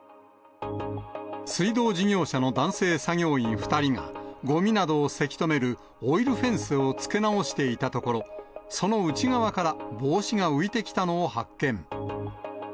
水道事業者の男性作業員２人が、ごみなどをせき止めるオイルフェンスを付け直していたところ、その内側から帽子が浮いてきたのを発見。